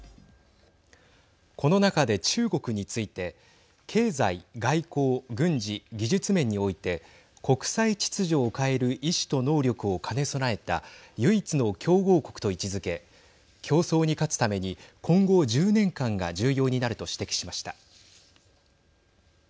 この中で、中国について経済、外交、軍事技術面において国際秩序を変える意思と能力を兼ね備えた唯一の競合国と位置づけ競争に勝つために今後１０年間が重要になると指摘しました。